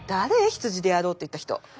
羊でやろうって言った人。